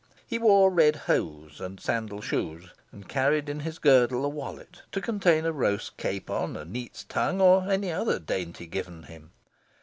He wore red hose and sandal shoon, and carried in his girdle a Wallet, to contain a roast capon, a neat's tongue, or any other dainty given him.